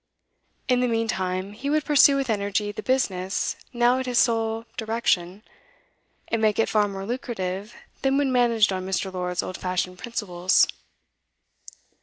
In the meantime, he would pursue with energy the business now at his sole direction, and make it far more lucrative than when managed on Mr. Lord's old fashioned principles.